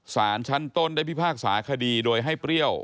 สารชั้นต้นได้พิพากษาคดีโดยให้เปรี้ยว